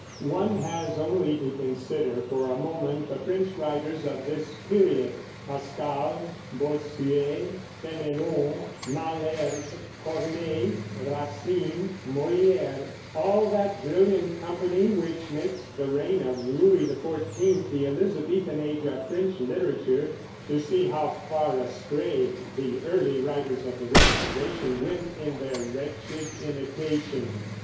One has only to consider for a moment the French writers of this period, Pascal, Bossuet, Fénelon, Malherbe, Corneille, Racine, Molière, all that brilliant company which makes the reign of Louis XIV the Elizabethan Age of French literature, to see how far astray the early writers of the Restoration went in their wretched imitation.